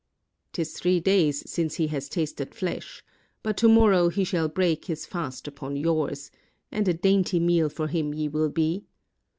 'T is three days since he has tasted flesh, but to morrow he shall break his fast upon yours, and a dainty meal for him ye will be.